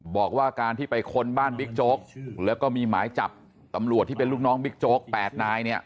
บอกว่าการที่ไปค้นบ้านบิ๊กโจ๊กแล้วก็มีหมายจับตำรวจที่เป็นลูกน้องบิ๊กโจ๊ก๘นายเนี่ย